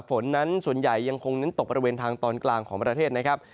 ฝนนั้นส่วนใหญ่ยังคงเน้นตกบริเวณทางตอนกลางของประเทศนะครับ